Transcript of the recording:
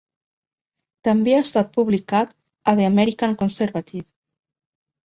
També ha estat publicat a "The American Conservative".